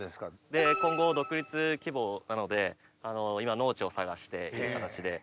今後独立希望なので今農地を探してっていう形で。